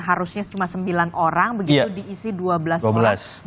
harusnya cuma sembilan orang begitu diisi dua belas orang